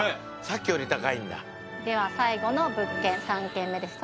さっきより高いんだでは最後の物件３軒目です